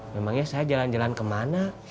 memangnya saya jalan jalan kemana